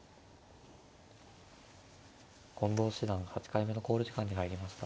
近藤七段８回目の考慮時間に入りました。